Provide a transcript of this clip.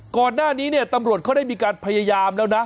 ก่อนหน้านี้เนี่ยตำรวจเขาได้มีการพยายามแล้วนะ